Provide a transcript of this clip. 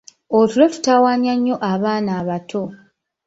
Otulo tutawaanya nnyo abaana abato.